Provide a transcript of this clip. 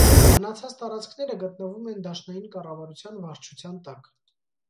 Մնացած տարածքները գտնվում են դաշնային կառավարության վարչության տակ։